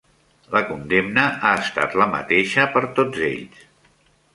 La condemna ha estat la mateixa per tots ells.